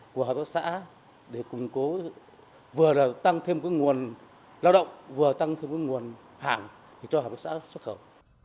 của hợp tác xã để cùng cố vừa tăng thêm nguồn lao động vừa tăng thêm nguồn hãng cho hợp tác xã xuất khẩu